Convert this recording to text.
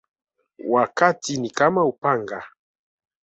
Wakati ni kama upanga